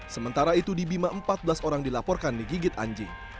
sementara itu di bima empat belas orang dilaporkan digigit anjing